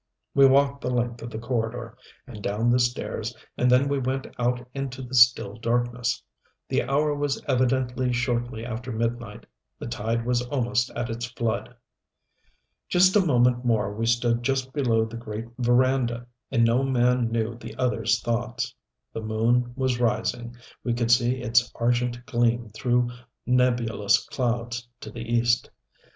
We walked the length of the corridor and down the stairs, and then we went out into the still darkness. The hour was evidently shortly after midnight the tide was almost at its flood. Just a moment more we stood just below the great veranda, and no man knew the other's thoughts. The moon was rising we could see its argent gleam through nebulous clouds to the East.